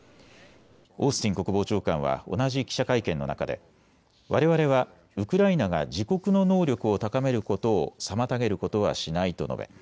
オースティン国防長官は同じ記者会見の中でわれわれはウクライナが自国の能力を高めることを妨げることはしないと述べ